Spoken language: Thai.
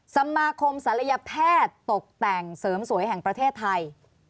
สมาคมศัลยแพทย์ตกแต่งเสริมสวยแห่งประเทศไทย